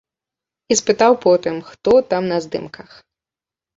І спытаў потым, хто там на здымках.